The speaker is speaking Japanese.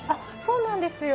そうなんですよ。